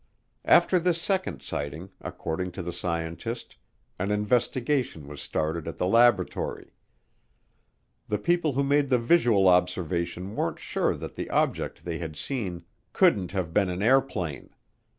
After this second sighting, according to the scientist, an investigation was started at the laboratory. The people who made the visual observations weren't sure that the object they had seen couldn't have been an airplane.